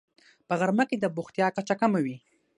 په غرمه کې د بوختیا کچه کمه وي